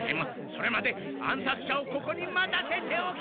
それまで暗さつ者をここに待たせておけ！